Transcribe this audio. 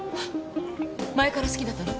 前から好きだったの？